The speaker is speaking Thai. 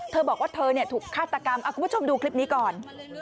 เธอบอกว่าเธอถูกฆาตกรรมคุณผู้ชมดูคลิปนี้ก่อน